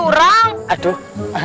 masalahnya kita tuh